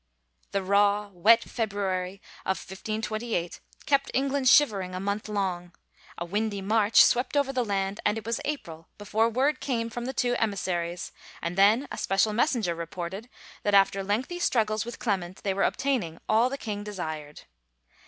The raw, wet February of 1528 kept England shiver ing a month long; a windy March swept over the land and it was April before word came from the two emis saries, and then a special messenger reported that after lengthy struggles with Clement they were obtaining all the king desired.